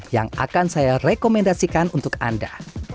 yang akan saya rekomendasikan untuk anda